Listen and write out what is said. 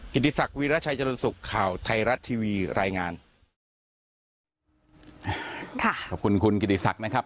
ติศักดิราชัยเจริญสุขข่าวไทยรัฐทีวีรายงานค่ะขอบคุณคุณกิติศักดิ์นะครับ